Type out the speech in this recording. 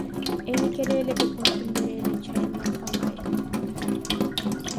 Эми келе элек өкмөттүн бере элек чайын мактабайын.